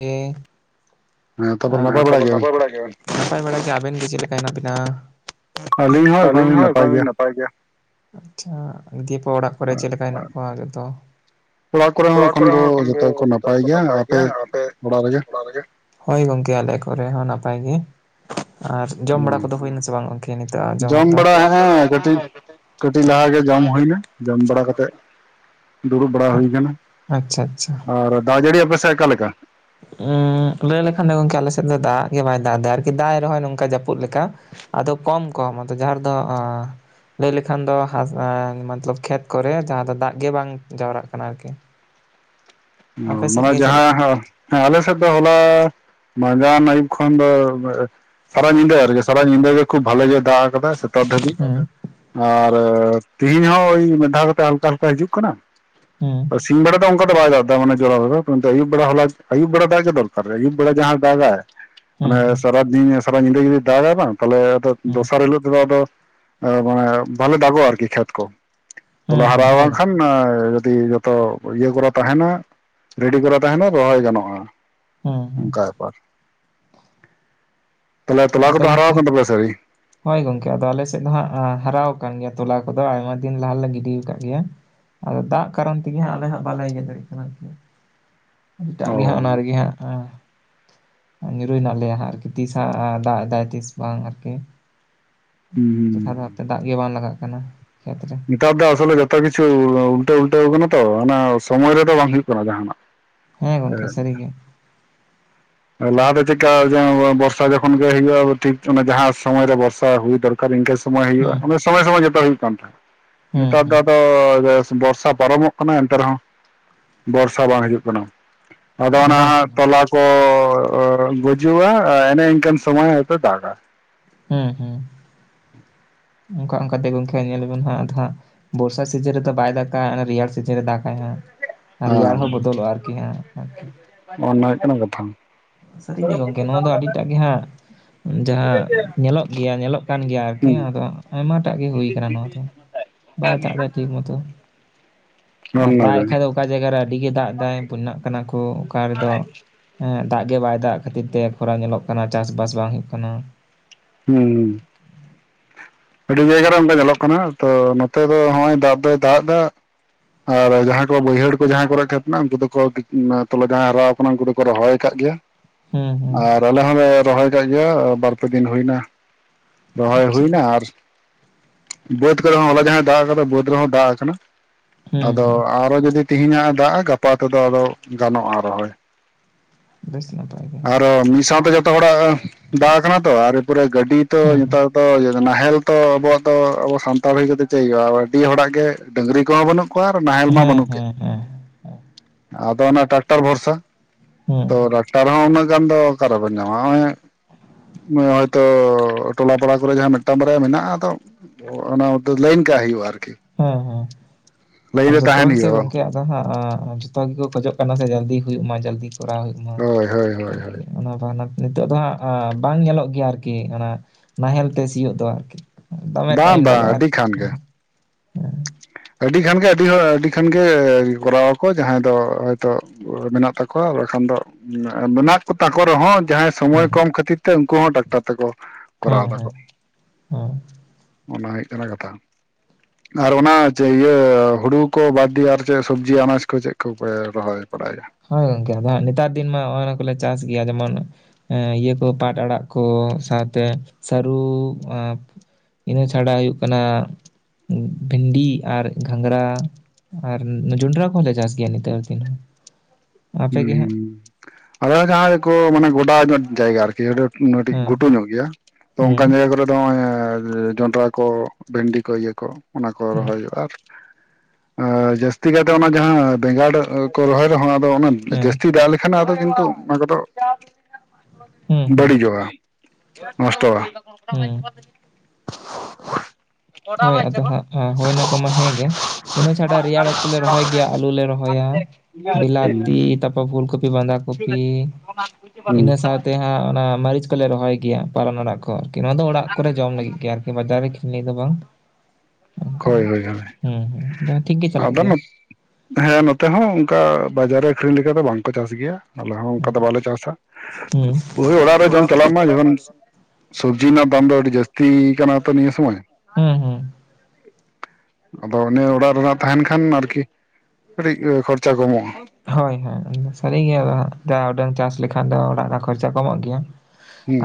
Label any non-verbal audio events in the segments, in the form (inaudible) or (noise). ᱮ ᱦᱮᱸ ᱛᱟᱯᱚᱨᱮ ᱱᱟᱯᱟᱭ ᱵᱟᱲᱟ (unintelligible) ᱜᱮᱭᱟᱵᱮᱱ? ᱱᱟᱯᱟᱭ ᱵᱟᱲᱟ ᱜᱮ ᱟᱵᱤᱱ ᱜᱮ ᱪᱮᱫ ᱞᱮᱠᱟ ᱦᱮᱱᱟᱜ ᱵᱤᱱᱟ? ᱟᱹᱞᱤᱧ ᱦᱚᱸ ᱮᱠᱷᱚᱱ ᱫᱚᱞᱤᱧ ᱱᱟᱯᱟᱭ ᱜᱮᱭᱟ᱾ ᱟᱪ ᱪᱷᱟ ᱫᱤᱭᱮ ᱯᱚᱨ ᱚᱲᱟᱜ ᱠᱚᱨᱮ ᱪᱮᱫ ᱞᱮᱠᱟ ᱦᱮᱱᱟᱜ ᱠᱚᱣᱟ ᱡᱚᱛᱚ? ᱚᱲᱟᱜ ᱠᱚᱨᱮ ᱦᱚᱸ ᱮᱠᱷᱚᱱ ᱜᱮ ᱡᱚᱛᱚ ᱠᱚ ᱱᱟᱯᱟᱭ ᱜᱮᱭᱟ᱾ ᱟᱯᱮ ᱚᱲᱟᱜ ᱨᱮᱜᱮ? ᱦᱳᱭ ᱜᱚᱝᱠᱮ ᱟᱞᱮ ᱠᱚᱨᱮ ᱦᱚᱸ ᱱᱟᱯᱟᱭ ᱜᱮ᱾ ᱟᱨ ᱡᱚᱢ ᱵᱟᱲᱟ ᱠᱚᱫᱚ ᱦᱩᱭᱱᱟᱥᱮ ᱵᱟᱝ ᱜᱚᱢᱠᱮ ᱱᱤᱛᱚᱜ ᱡᱚᱢᱟᱜ ᱡᱚᱢ ᱫᱚ? ᱵᱟᱲᱟ ᱦᱮᱸ ᱠᱟᱹᱴᱤᱡ ᱠᱟᱹᱴᱤᱡ ᱞᱟᱦᱟ ᱜᱮ ᱡᱚᱢ ᱦᱩᱭᱱᱟ ᱡᱚᱢ ᱵᱟᱲᱟ ᱠᱛᱮᱜ ᱫᱩᱲᱩᱵ ᱵᱟᱲᱟ ᱦᱩᱭ ᱠᱟᱱᱟ ᱟᱪᱪᱷᱟ ᱟᱪᱪᱷᱟ ᱾ ᱟᱨ ᱫᱟᱜ ᱡᱟᱹᱲᱤ ᱟᱯᱮ ᱥᱮᱜ ᱟᱠᱟ ᱞᱮᱠᱟ? ᱩ ᱞᱟᱹᱭ ᱞᱮᱠᱷᱟᱱ ᱫᱚ ᱜᱝᱠᱮ ᱟᱞᱮ ᱥᱮᱫ ᱫᱚ ᱫᱟᱜ ᱜᱮ ᱵᱟᱭ ᱫᱟᱜ ᱮᱫᱟ ᱟᱨᱠᱤ ᱫᱟᱜ ᱮ ᱨᱮᱚᱦᱚᱭ ᱱᱚᱝᱠᱟ ᱡᱟᱹᱯᱩᱫ ᱞᱮᱠᱟ᱾ ᱟᱫᱚ ᱠᱚᱢ ᱠᱚᱢ ᱟᱫᱚ ᱡᱟᱦᱟᱸ ᱨᱮᱫᱚ ᱞᱟᱹᱭ ᱞᱮᱠᱷᱟᱱ ᱫᱚ ᱦᱟᱸᱜ ᱢᱚᱛᱞᱚᱵ ᱠᱷᱮᱛ ᱠᱚᱨᱮ ᱡᱟᱦᱟᱸ ᱫᱚ ᱫᱟᱜ ᱜᱮ ᱵᱟᱝ ᱡᱟᱣᱨᱟᱜ ᱠᱟᱱᱟ ᱟᱨᱠᱤ ᱾ ᱚ ᱢᱟᱱᱮ ᱪᱮᱫ ᱞᱮᱠᱟ? ᱡᱟᱦᱟᱸ ᱦᱮᱸ ᱟᱞᱮ ᱥᱮᱫ ᱫᱚ ᱦᱚᱞᱟ ᱢᱟᱸᱡᱟᱱ ᱟᱹᱭᱩᱵ ᱠᱷᱚᱱ ᱫᱚ ᱥᱟᱨᱟ ᱧᱤᱫᱟᱹ ᱟᱨᱠᱤ ᱥᱟᱨᱟ ᱧᱤᱫᱟᱹ ᱜᱮ ᱠᱷᱩᱵ ᱵᱷᱟᱞᱮ ᱫᱟᱜ ᱠᱟᱫᱟᱭ ᱥᱮᱛᱟᱜ ᱫᱷᱟᱹᱵᱤᱡ ᱦᱩᱸ ᱾ ᱟᱨ ᱛᱮᱦᱮᱧ ᱦᱚᱸ ᱳᱭ ᱢᱤᱫ ᱫᱷᱟᱣ ᱠᱟᱛᱮ ᱦᱟᱞᱠᱟ ᱦᱟᱞᱠᱟ ᱦᱤᱡᱩᱜ ᱠᱟᱱᱟ᱾ ᱦᱩᱸ ᱥᱤᱧ ᱵᱮᱲᱟ ᱫᱚ ᱚᱱᱠᱟ ᱚᱱᱠᱟ ᱫᱚ ᱵᱟᱭ ᱫᱟᱜ ᱫᱟ, ᱢᱟᱱᱮ ᱦᱚᱞᱟ ᱠᱤᱱᱛᱩ ᱟᱹᱭᱩᱵ ᱵᱮᱲᱟ ᱟᱭᱩᱵ ᱵᱮᱲᱟ, ᱦᱚᱞᱟ ᱟᱹᱭᱩᱵ ᱵᱟᱲᱟ ᱫᱟᱜ ᱫᱚᱨᱠᱟᱨ ᱟᱭᱩᱵ ᱵᱮᱲᱟ ᱡᱟᱦᱟᱸ ᱫᱟᱜᱟᱭ ᱦᱩᱸ ᱢᱟᱱᱮ ᱦᱩᱸ ᱥᱟᱨᱟ ᱫᱤᱱ ᱥᱟᱨᱟ ᱧᱤᱫᱟᱹ ᱡᱩᱫᱤ ᱫᱟᱜᱟᱭ ᱵᱟᱝ ᱛᱟᱦᱞᱮ ᱟᱫᱚ ᱦᱩᱸ ᱫᱚᱥᱟᱨ ᱦᱤᱞᱳᱜ ᱛᱮᱫᱚ ᱟᱫᱚ ᱢᱟᱱᱮ ᱵᱟᱞᱮ ᱫᱟᱜᱚᱜᱼᱟ ᱟᱨᱠᱤ ᱠᱷᱮᱛ ᱠᱚ ᱦᱩᱸ ᱛᱚᱞᱟ ᱦᱩᱸ ᱦᱟᱨᱟ ᱦᱮᱸ ᱜᱚᱝᱠᱮ ᱵᱟᱝᱠᱷᱟᱱ ᱡᱩᱫᱤ- ᱛᱚ ᱤᱭᱟᱹ ᱠᱚᱨᱟ ᱛᱟᱦᱮᱸᱱᱟ ᱾ ᱨᱮᱰᱤ ᱠᱚᱨᱟ ᱛᱟᱦᱮᱸᱱᱟ ᱨᱚᱦᱚᱭ ᱜᱟᱱᱚᱜᱼᱟ, ᱦᱩᱸ ᱦᱩᱸ ᱚᱱᱠᱟ ᱵᱮᱯᱟᱨ ᱾ ᱛᱟᱦᱚᱞᱮ ᱛᱚᱞᱟ ᱟᱫᱚ ᱠᱚᱫᱚ ᱦᱟᱨᱟᱣ ᱜᱚᱝᱠᱮ ᱠᱟᱱ ᱛᱟᱯᱮᱭᱟ ᱥᱮ ᱟᱣᱨᱤ? ᱦᱳᱭ ᱜᱚᱝᱠᱮ ᱟᱫᱚ ᱟᱞᱮ ᱥᱮᱫ ᱫᱚ ᱦᱟᱸᱜ ᱦᱟᱨᱟ ᱠᱟᱱ ᱜᱮᱭᱟ, ᱛᱚᱞᱟ ᱠᱚᱫᱚ ᱟᱭᱢᱟ ᱫᱤᱱ ᱞᱟᱦᱟᱞᱮ ᱜᱤᱰᱤ ᱠᱟᱜ ᱜᱮᱭᱟ ᱾ ᱟᱫᱚ ᱫᱟᱜ ᱠᱟᱨᱚᱱ ᱛᱮᱜᱮ ᱦᱟᱸᱜ ᱟᱞᱮ ᱦᱟᱸᱜ ᱵᱟᱞᱮ ᱤᱭᱟᱹ ᱫᱟᱲᱮᱜ ᱠᱟᱱᱟ ᱟᱨᱠᱤ ᱾ ᱮᱴᱟᱜ ᱚ ᱜᱮ ᱦᱟᱸᱜ ᱚᱱᱟ ᱨᱮᱜᱮ ᱦᱟᱸᱜ ᱧᱩᱨᱩ ᱦᱮᱱᱟᱜ ᱞᱮᱭᱟ ᱦᱟᱸᱜ ᱛᱤᱥ ᱦᱟᱸᱜ ᱫᱟᱜ ᱫᱟᱭ ᱛᱤᱥ ᱠᱷᱚᱱ ᱟᱨᱠᱤ ᱦᱩᱸ ᱾ ᱫᱟᱜ ᱜᱮ ᱵᱟᱝ ᱞᱟᱜᱟᱜ ᱠᱟᱱᱟ ᱠᱷᱮᱛ ᱨᱮ ᱾ ᱱᱮᱛᱟᱨ ᱫᱚ ᱟᱥᱚᱞᱮ ᱡᱚᱛᱚ ᱠᱤᱪᱷᱩ ᱩᱞᱴᱟᱹ ᱩᱞᱴᱟᱹᱣ ᱠᱟᱱᱟ ᱛᱚ, ᱚᱱᱟ ᱥᱚᱢᱚᱭ ᱨᱮᱫᱚ ᱵᱟᱝ ᱦᱩᱭᱩᱜ ᱠᱟᱱᱟ ᱡᱟᱦᱟᱸᱱᱟᱜ ᱾ ᱦᱮᱸ ᱜᱚᱢᱠᱮ ᱥᱟᱹᱨᱤᱜᱮ ᱾ ᱞᱟᱦᱟᱛᱮ ᱪᱮᱫᱠᱟ ᱵᱚᱨᱥᱟ ᱡᱚᱠᱷᱚᱱ ᱜᱮ ᱦᱩᱭᱩᱜᱼᱟ, ᱴᱷᱤᱠ ᱡᱟᱦᱟᱸ ᱥᱚᱢᱚᱭᱨᱮ ᱵᱚᱨᱥᱟ ᱦᱩᱭ ᱫᱚᱨᱠᱟᱨ ᱾ ᱱᱤᱝᱠᱟᱹ ᱥᱚᱢᱚᱭ ᱦᱩᱭᱩᱜᱼᱟ, ᱦᱩᱸ ᱱᱚᱠᱟ ᱥᱚᱢᱚᱭ ᱥᱚᱢᱚᱭ ᱡᱚᱛᱚ ᱦᱩᱭᱩᱜ ᱠᱟᱱ ᱛᱟᱦᱮᱸᱫ, ᱦᱩᱸ ᱱᱮᱛᱟᱨ ᱫᱚ ᱦᱩᱸ ᱟᱫᱚ ᱵᱚᱨᱥᱟ ᱯᱟᱨᱚᱢᱚᱜ ᱠᱟᱱᱟ ᱮᱱᱛᱮ ᱨᱮᱦᱚᱸ ᱵᱚᱨᱥᱟ ᱵᱟᱝ ᱦᱤᱡᱩᱜ ᱠᱟᱱᱟ ᱾ ᱟᱫᱚ ᱚᱱᱟ ᱦᱟᱸᱜ ᱛᱚᱞᱟ ᱠᱚ ᱜᱩᱡᱩᱜᱼᱟ, ᱮᱱᱮ ᱤᱱᱠᱟᱹᱱ ᱥᱚᱢᱚᱭ ᱦᱚᱭᱛᱚ ᱫᱟᱜᱟ ᱾ ᱦᱩᱸᱻᱦᱩᱸᱻ, ᱚᱱᱠᱟ ᱚᱱᱠᱟᱛᱮ ᱜᱚᱝᱠᱮ ᱧᱮᱞ ᱟᱵᱚᱱ ᱦᱟᱸᱜ ᱟᱫᱚ ᱦᱟᱸᱜ ᱵᱚᱨᱥᱟ ᱥᱤᱡᱤᱱ ᱨᱮᱫᱚ ᱵᱟᱭ ᱫᱟᱜᱟᱭ, ᱨᱮᱭᱟᱲ ᱥᱤᱡᱮᱱ ᱨᱮ ᱫᱟᱜᱟᱭ ᱦᱟᱸᱜ ᱾ ᱟᱨ ᱨᱮᱭᱟᱲ ᱦᱚᱸ ᱦᱮᱸ ᱵᱚᱫᱚᱞᱚᱜᱼᱟ ᱟᱨᱠᱤ ᱦᱮᱸᱻ, ᱚᱱᱟ ᱦᱩᱭᱩᱜ ᱠᱟᱱᱟ ᱠᱟᱛᱷᱟ ᱾ ᱥᱟᱹᱨᱤ ᱜᱮ ᱜᱚᱝᱠᱮ ᱱᱚᱣᱟ ᱫᱚ ᱟᱹᱰᱤᱴᱟᱜ ᱜᱮ ᱦᱟᱸᱜ ᱡᱟᱦᱟᱸ ᱧᱮᱞᱚᱜ ᱜᱮᱭᱟ ᱧᱮᱞᱚᱜ ᱠᱟᱱ ᱜᱮᱭᱟ ᱟᱨᱠᱤ ᱦᱩᱸ ᱟᱫᱚ, ᱟᱭᱢᱟᱴᱟᱜ ᱜᱮ ᱦᱩᱭ ᱠᱟᱱᱟ ᱱᱚᱣᱟ ᱫᱚ ᱾ ᱵᱟᱭ ᱫᱟᱜ ᱫᱟ ᱴᱷᱤᱠ ᱢᱚᱛᱚ ᱾ ᱟᱨ ᱫᱟᱜ ᱮᱜ ᱚᱱᱟᱜᱮ ᱠᱷᱟᱡ ᱫᱚ ᱚᱠᱟ ᱡᱟᱭᱜᱟᱨᱮ ᱟᱹᱰᱤᱜᱮ ᱫᱟᱜ ᱫᱟᱭ ᱵᱚᱱᱱᱟᱜ ᱠᱟᱱᱟ ᱠᱚ ᱚᱠᱟ ᱨᱮᱫᱚ ᱮᱸ ᱫᱟᱜ ᱜᱮ ᱵᱟᱭ ᱫᱟᱜ ᱠᱷᱟᱹᱛᱤᱨ ᱛᱮ, ᱠᱷᱚᱨᱟ ᱧᱮᱞᱚᱜ ᱠᱟᱱᱟ ᱪᱟᱥᱵᱟᱥ ᱵᱟᱝ ᱦᱩᱭᱩᱜ ᱠᱟᱱᱟ ᱾ ᱦᱩᱸᱻ᱾ ᱟᱹᱰᱤ ᱡᱟᱭᱜᱟ ᱨᱮ ᱚᱱᱠᱟ ᱧᱮᱞᱚᱜ ᱠᱟᱱᱟ ᱛᱚ, ᱱᱚᱛᱮ ᱫᱚ ᱦᱚᱜᱚᱭ ᱫᱟᱜ ᱫᱚᱭ ᱫᱟᱜ ᱫᱟ ᱾ ᱟᱨ ᱡᱟᱦᱟᱸᱭ ᱠᱚ ᱵᱟᱹᱭᱦᱟᱹᱲ ᱠᱚ ᱡᱟᱦᱟᱸᱭ ᱠᱚᱨᱮ ᱠᱷᱮᱛ ᱢᱮᱱᱟᱜᱼᱟ, ᱩᱱᱠᱩ ᱫᱚᱠᱚ ᱛᱚᱞᱟ ᱡᱟᱦᱟᱸᱭ ᱦᱟᱨᱟ ᱠᱟᱱᱟ ᱩᱱᱠᱩ ᱫᱚᱠᱚ ᱨᱚᱦᱚᱭ ᱠᱟᱜ ᱜᱮᱭᱟ ᱦᱩᱸ ᱦᱩᱸ ᱾ ᱟᱨ ᱟᱞᱮ ᱦᱚᱸᱞᱮ ᱨᱚᱦᱚᱭ ᱠᱟᱜ ᱜᱮᱭᱟ ᱵᱟᱨ ᱯᱮ ᱫᱤᱱ ᱦᱩᱭᱱᱟ ᱾ ᱨᱚᱦᱚᱭ ᱟᱪᱪᱷᱟ ᱦᱩᱭᱱᱟ ᱟᱨ ᱵᱟᱹᱫᱽ ᱠᱚᱨᱮ ᱦᱚᱸ ᱦᱚᱞᱟ ᱡᱟᱦᱟᱸᱭ ᱫᱟᱜ ᱠᱟᱫᱟ ᱵᱟᱹᱫᱽ ᱦᱚᱸ ᱫᱟᱜ ᱠᱟᱱᱟ, ᱦᱩᱸ ᱟᱫᱚ ᱦᱩᱸ ᱟᱨᱦᱚ ᱡᱩᱫᱤ ᱛᱮᱦᱮᱧᱟᱜ ᱫᱟᱜ ᱜᱟᱯᱟ ᱛᱮᱫᱚ ᱟᱫᱚ ᱜᱟᱱᱚᱜᱼᱟ ᱨᱚᱦᱚᱭ ᱾ ᱵᱮᱥ ᱱᱟᱯᱟᱭ ᱜᱮ ᱟᱨᱦᱚ ᱢᱤᱫ ᱥᱟᱶᱛᱮ ᱡᱚᱛᱚ ᱦᱚᱲᱟᱜ ᱫᱟᱜ ᱠᱟᱱᱟ ᱛᱚ ᱮᱯᱚᱨᱮ ᱜᱟᱹᱰᱤ ᱛᱚ ᱦᱩᱸ ᱦᱩᱸ ᱱᱮᱛᱟᱨ ᱱᱟᱦᱮᱞ ᱛᱚ ᱟᱵᱚᱣᱟᱜ ᱫᱚ ᱟᱵᱚ ᱥᱟᱱᱛᱟᱲ ᱦᱩᱭ ᱠᱟᱛᱮ ᱪᱮᱜ ᱦᱩᱭᱩᱜᱼᱟ, ᱟᱹᱰᱤ ᱦᱚᱲᱟᱜ ᱜᱮ ᱰᱟᱺᱝᱨᱤ ᱠᱚᱦᱚᱸ ᱵᱟᱹᱱᱩᱜ ᱠᱚᱣᱟ ᱟᱨ ᱱᱟᱦᱮᱞ ᱢᱟ ᱦᱮᱸ ᱵᱟᱹᱱᱩᱜ ᱜᱮ, ᱦᱮᱸ ᱦᱮᱸ ᱟᱫᱚ ᱚᱱᱟ ᱴᱨᱟᱠᱴᱟᱨ ᱵᱷᱚᱨᱥᱟ ᱾ ᱦᱩᱸ ᱛᱚ ᱴᱨᱟᱠᱴᱟᱨ ᱦᱚᱸ ᱩᱱᱟᱹᱜ ᱜᱟᱱ ᱫᱚ ᱚᱠᱟᱨᱮᱵᱮᱱ ᱧᱟᱢᱟ ᱦᱚᱜᱼᱚᱭ ᱢᱟᱱᱮ ᱦᱚᱭᱛᱳ ᱴᱚᱞᱟ ᱯᱟᱲᱟ ᱠᱚᱨᱮ ᱡᱟᱦᱟᱸ ᱢᱤᱫᱴᱟᱝ ᱵᱟᱨᱭᱟ ᱢᱮᱱᱟᱜᱼᱟ ᱾ ᱚᱱᱟ ᱠᱷᱟᱛᱤᱨ ᱞᱟᱹᱭᱤᱱ ᱠᱟᱜ ᱦᱩᱭᱩᱜᱼᱟ ᱟᱨᱠᱤ ᱦᱮᱸᱻᱦᱮᱸᱻ ᱞᱟᱹᱭᱤᱱ ᱟᱨ ᱨᱮ ᱡᱚᱛᱚ ᱛᱟᱦᱮᱱ ᱜᱮ ᱥᱮ ᱦᱩᱭᱩᱜᱼᱟ ᱜᱚᱝᱠᱮ ᱟᱫᱚ ᱦᱟᱸᱜ ᱡᱚᱛᱚ ᱜᱮᱠᱚ ᱠᱷᱚᱡᱚᱜ ᱠᱟᱱᱟ ᱥᱮ ᱡᱚᱞᱫᱤ ᱦᱩᱭᱩᱜ ᱢᱟ ᱡᱚᱞᱫᱤ ᱠᱚᱨᱟᱣ ᱦᱩᱭᱩᱜ ᱦᱳᱭ ᱦᱳᱭ ᱦᱳᱭ ᱦᱳᱭ (unintelligible) ᱱᱤᱛᱚᱜ ᱫᱚ ᱦᱟᱸᱜ ᱵᱟᱝ ᱧᱮᱞᱚᱜ ᱜᱮᱭᱟ ᱟᱨᱠᱤ ᱚᱱᱟ ᱱᱟᱦᱮᱞ ᱛᱮ ᱥᱤᱭᱳᱜ ᱫᱚ ᱫᱚᱢᱮ ᱵᱟᱝ ᱴᱟᱭᱤᱢ ᱵᱟᱝ ᱞᱟᱜᱟᱜᱼᱟ ᱟᱹᱰᱤ ᱟᱨᱠᱤ ᱠᱷᱟᱱ ᱜᱮ ᱦᱩᱸ ᱟᱹᱰᱤ ᱜᱟᱱ ᱜᱮ ᱟᱹᱰᱤ ᱦᱚᱲ ᱟᱹᱰᱤ ᱠᱷᱟᱱ ᱜᱮ ᱠᱚᱨᱟᱣ ᱟᱠᱚ ᱡᱟᱦᱟᱸᱭ ᱫᱚ ᱦᱚᱭᱛᱚ ᱢᱮᱱᱟᱜ ᱛᱟᱠᱚᱣᱟ ᱮᱠᱷᱟᱱ ᱫᱚ ᱢᱮᱱᱟᱜ ᱠᱚᱛᱟ ᱠᱚ ᱨᱮᱦᱚᱸ ᱡᱟᱦᱟᱸᱭ ᱥᱚᱢᱚᱭ ᱦᱮᱸ ᱠᱚᱢ ᱠᱷᱟᱹᱛᱤᱨ ᱛᱮ ᱩᱱᱠᱩ ᱦᱚᱸ ᱰᱟᱠᱛᱟᱨ ᱛᱮᱠᱚ ᱦᱮᱸ ᱠᱚᱨᱟᱣ ᱦᱮᱸ ᱫᱟᱠᱚ ᱦᱮᱸ ᱚᱱᱟ ᱦᱩᱭᱩᱜ ᱠᱟᱱᱟ ᱠᱟᱛᱷᱟ ᱟᱨ ᱚᱱᱟ ᱡᱮ ᱤᱭᱟᱹ ᱦᱩᱲᱩ ᱠᱚ ᱵᱟᱫ ᱫᱤᱭᱮ ᱟᱨ ᱪᱮᱫ ᱥᱚᱵᱽᱡᱤ ᱟᱱᱟᱡᱽ ᱠᱚ ᱪᱮᱫ ᱠᱚᱯᱮ ᱨᱚᱦᱚᱭ ᱵᱟᱲᱟᱭᱟ ᱦᱳᱭ ᱜᱚᱝᱠᱮ ᱱᱮᱛᱟᱨ ᱫᱤᱱ ᱢᱟ ᱱᱚᱭ ᱚᱱᱟ ᱠᱚᱞᱮ ᱪᱟᱥ ᱜᱮᱭᱟ ᱡᱮᱢᱚᱱ ᱮ ᱤᱭᱟᱹ ᱠᱚ ᱯᱟᱴ ᱟᱲᱟᱜ ᱠᱚ ᱥᱟᱶᱛᱮ ᱥᱟᱹᱨᱩ- ᱤᱱᱟᱹ ᱪᱷᱟᱲᱟ ᱦᱩᱭᱩᱜ ᱠᱟᱱᱟ ᱵᱷᱤᱱᱰᱤ ᱟᱨ ᱜᱷᱟᱸᱝᱨᱟ ᱟᱨ ᱡᱚᱸᱰᱨᱟ ᱠᱚᱦᱚᱸᱞᱮ ᱪᱟᱥ ᱜᱮᱭᱟ ᱱᱮᱛᱟᱨ ᱫᱤᱱ ᱟᱯᱮ ᱜᱮ ᱦᱟᱸᱜ ᱦᱩᱸ ᱟᱨ ᱡᱟᱦᱟᱸᱠᱚ ᱢᱟᱱᱮ ᱜᱚᱰᱟᱜ ᱱᱚᱜ ᱡᱟᱭᱜᱟ ᱟᱨᱠᱤ ᱠᱟᱹᱴᱤᱡ ᱦᱮᱸ ᱜᱷᱩᱴᱩ ᱧᱚᱜ ᱜᱮᱭᱟ ᱛᱚ ᱦᱮᱸ ᱚᱱᱠᱟᱱ ᱡᱟᱭᱜᱟ ᱠᱚᱨᱮ ᱫᱚ ᱱᱚᱜᱼᱚᱭ ᱡᱚᱱᱰᱨᱟ ᱠᱚ ᱵᱷᱮᱱᱰᱤ ᱠᱚ ᱤᱭᱟᱹ ᱠᱚ ᱚᱱᱟ ᱠᱚ ᱦᱮᱸ ᱨᱚᱦᱚᱭ ᱦᱩᱭᱩᱜᱼᱟ ᱟᱨ ᱡᱟᱹᱥᱛᱤ ᱠᱟᱭ ᱛᱮ ᱚᱱᱟ ᱡᱟᱦᱟᱸ ᱵᱮᱸᱜᱟᱲ ᱠᱚ ᱨᱚᱦᱚᱭ ᱨᱮᱦᱚᱸ ᱟᱫᱚ ᱚᱱᱟ ᱦᱮᱸ ᱡᱟᱹᱥᱛᱤ ᱫᱟᱜ ᱮᱱᱠᱷᱟᱱ ᱟᱫᱚ ᱠᱤᱱᱛᱩ ᱚᱱᱟ ᱠᱚᱫᱚ ᱦᱮᱸ ᱦᱮᱸ ᱵᱟᱹᱲᱤᱡᱚᱜᱼᱟ ᱱᱚᱥᱴᱚᱜᱼᱟ ᱦᱮᱸ ᱦᱳᱭ ᱟᱫᱚ ᱦᱟᱸᱜ ᱦᱳᱭᱱᱟ ᱠᱚ ᱢᱟ ᱦᱮᱸ ᱜᱮ ᱤᱱᱟᱹ ᱪᱷᱟᱰᱟ ᱨᱮᱭᱟᱲ ᱚᱠᱛᱚ ᱞᱮ ᱨᱚᱦᱚᱭ ᱜᱮᱭᱟ ᱟᱞᱩ ᱞᱮ ᱨᱚᱦᱚᱭᱟ ᱵᱤᱞᱟᱛᱤ ᱛᱟᱯ- ᱯᱷᱩᱞ ᱠᱚᱯᱤ ᱵᱟᱸᱫᱟ ᱠᱚᱯᱤ ᱤᱱᱟᱹ ᱦᱩᱸ ᱥᱟᱶᱛᱮ ᱦᱟᱸᱜ ᱚᱱᱟ ᱢᱟᱨᱤᱪ ᱠᱚᱞᱮ ᱨᱚᱦᱚᱭ ᱜᱮᱭᱟ ᱯᱟᱞᱚᱢ ᱟᱲᱟᱜ ᱠᱚ ᱟᱨᱠᱤ ᱱᱚᱣᱟ ᱫᱚ ᱚᱲᱟᱜ ᱠᱚᱨᱮ ᱡᱚᱢ ᱞᱟᱹᱜᱤᱫ ᱜᱮ ᱟᱨᱠᱤ ᱵᱟᱡᱟᱨ ᱨᱮ ᱠᱷᱨᱤᱧ ᱞᱟᱹᱜᱤᱛ ᱫᱚ ᱵᱟᱝ ᱚᱱᱠᱟ ᱦᱳᱭ ᱦᱳᱭ ᱦᱳᱭ ᱦᱩᱸ ᱦᱩᱸ ᱟᱫᱚ ᱴᱷᱤᱠ ᱜᱮ ᱪᱟᱞᱟᱜ ᱟᱫᱚ ᱜᱮᱭᱟ ᱦᱮᱸ ᱱᱚᱛᱮ ᱦᱚᱸ ᱚᱱᱠᱟ ᱵᱟᱡᱟᱨ ᱨᱮ ᱟᱠᱷᱨᱤᱧ ᱞᱮᱠᱟ ᱫᱚ ᱵᱟᱝᱠᱚ ᱪᱟᱥ ᱜᱮᱭᱟ ᱟᱞᱮ ᱦᱚᱸ ᱚᱱᱠᱟ ᱦᱩᱸ ᱫᱚ ᱵᱟᱞᱮ ᱪᱟᱥᱟ ᱦᱩᱸ ᱵᱟᱹᱦᱩ ᱚᱲᱟᱜ ᱨᱮ ᱡᱚᱢ ᱪᱟᱞᱟᱜ ᱢᱟ ᱡᱮᱢᱚᱱ ᱥᱚᱵᱡᱤ ᱨᱮᱱᱟᱜ ᱫᱟᱢ ᱫᱚ ᱟᱹᱰᱤ ᱡᱟᱹᱥᱛᱤ ᱠᱟᱱᱟ ᱛᱚ ᱱᱤᱭᱟᱹ ᱥᱚᱢᱚᱭ ᱦᱩᱸ ᱦᱩᱸ ᱟᱫᱚ ᱚᱱᱮ ᱚᱲᱟᱜ ᱨᱮ ᱦᱟᱸᱜ ᱛᱟᱦᱮᱱ ᱠᱷᱟᱱ ᱟᱨᱠᱤ ᱠᱟᱹᱴᱤᱡ ᱠᱷᱚᱨᱪᱟ ᱠᱚᱢᱚᱜᱼᱟ ᱦᱳᱭ ᱦᱳᱭ ᱥᱟᱹᱨᱤ ᱜᱮ ᱟᱫᱚ ᱦᱟᱸᱜ ᱡᱟ ᱩᱰᱟᱹᱝ ᱪᱟᱥ ᱞᱮᱠᱷᱟᱱ ᱫᱚ ᱚᱲᱟᱜ ᱨᱮᱦᱚᱸ ᱠᱷᱚᱨᱪᱟ ᱠᱚᱢᱚᱜ ᱜᱮᱭᱟ